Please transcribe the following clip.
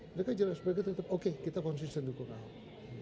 mereka jelas oke kita konsisten dukung ahok